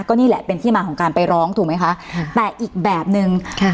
ก็นี่แหละเป็นที่มาของการไปร้องถูกไหมคะค่ะแต่อีกแบบนึงค่ะ